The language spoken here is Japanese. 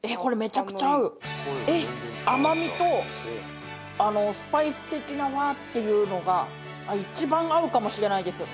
甘みとスパイス的なワーッていうのが一番合うかもしれないです